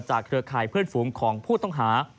เครือข่ายเพื่อนฝูงของผู้ต้องหา